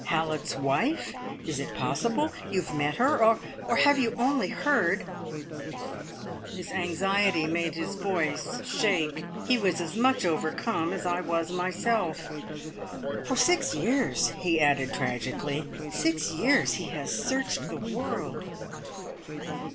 Hallett's wife? Is it possible? You have met her; or have you only heard " His anxiety made his voice shake. He was as much overcome as I was myself. "For six years," he added tragically "six years he has searched the world